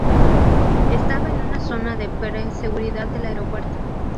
Estaba en una zona de pre-seguridad del aeropuerto.